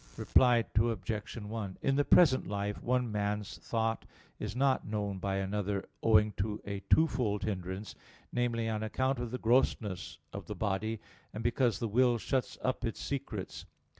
Reply Obj. 1: In the present life one man's thought is not known by another owing to a twofold hindrance; namely, on account of the grossness of the body, and because the will shuts up its secrets.